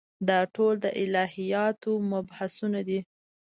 دا ټول د الهیاتو مبحثونه دي.